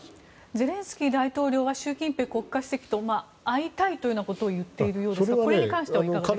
ゼレンスキー大統領は習近平国家主席と会いたいというようなことを言っているようですがこれに関してはいかがですか？